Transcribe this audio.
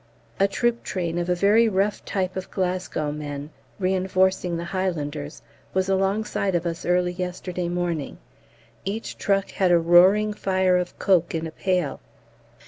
A troop train of a very rough type of Glasgow men, reinforcing the Highlanders, was alongside of us early yesterday morning; each truck had a roaring fire of coke in a pail.